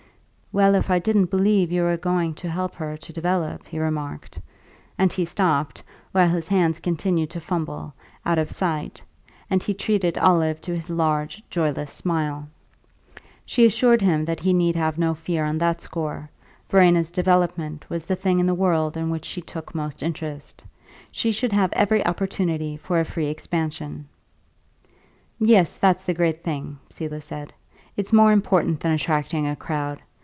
"Well, if I didn't believe you were going to help her to develop," he remarked; and he stopped, while his hands continued to fumble, out of sight, and he treated Olive to his large joyless smile. She assured him that he need have no fear on that score; Verena's development was the thing in the world in which she took most interest; she should have every opportunity for a free expansion. "Yes, that's the great thing," Selah said; "it's more important than attracting a crowd.